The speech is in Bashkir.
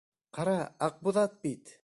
Ҡара, Аҡбуҙат бит!